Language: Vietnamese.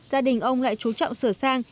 gia đình ông lại trú trọng sửa sang